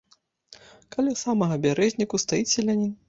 Каля самага бярэзніку стаіць селянін.